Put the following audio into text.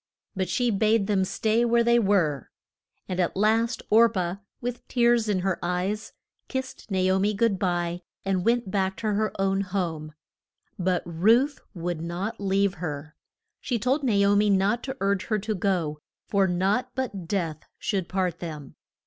But she bade them stay where they were, and at last Or pah, with tears in her eyes, kissed Na o mi good bye and went back to her own home. But Ruth would not leave her. She told Na o mi not to urge her to go, for nought but death should part them. [Illustration: RUTH AND NA O MI.